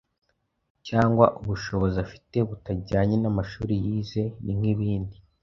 cyangwa ubushobozi afite butajyanye n’amashuri yize. Ni nk’ibindi